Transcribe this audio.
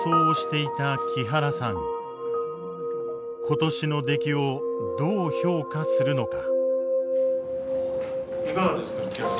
今年の出来をどう評価するのか。